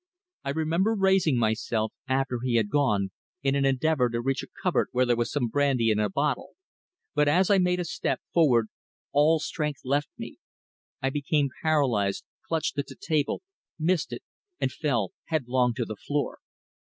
I remember raising myself, after he had gone, in an endeavour to reach a cupboard where there was some brandy in a bottle, but as I made a step forward all strength let me. I became paralysed, clutched at the table, missed it, and fell headlong to the floor.